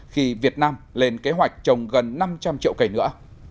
khi việt nam lên kế hoạch trồng gần năm trăm linh triệu cây nữa